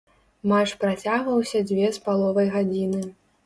Матч працягваўся дзве з паловай гадзіны.